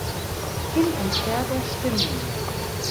Hin und Her der Stimmen.